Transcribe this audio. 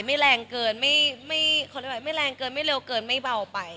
ไม่แรงเกินไม่เร็วเกินไม่เบาออกไป